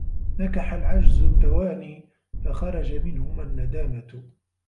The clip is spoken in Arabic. نَكَحَ الْعَجْزُ التَّوَانِي فَخَرَجَ مِنْهُمَا النَّدَامَةُ